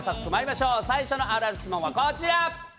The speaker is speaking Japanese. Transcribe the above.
最初のあるある質問は、こちら。